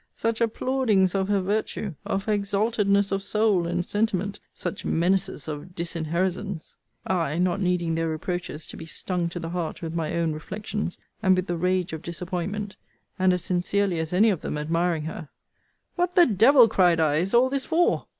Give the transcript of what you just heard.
such applaudings of her virtue, of her exaltedness of soul and sentiment! such menaces of disinherisons! I, not needing their reproaches to be stung to the heart with my own reflections, and with the rage of disappointment; and as sincerely as any of them admiring her 'What the devil,' cried I, 'is all this for?